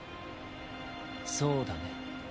そうだね。